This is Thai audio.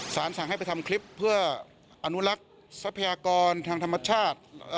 สั่งให้ไปทำคลิปเพื่ออนุรักษ์ทรัพยากรทางธรรมชาติ